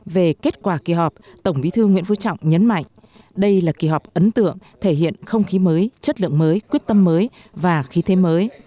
về kết quả kỳ họp tổng bí thư nguyễn phú trọng nhấn mạnh đây là kỳ họp ấn tượng thể hiện không khí mới chất lượng mới quyết tâm mới và khí thế mới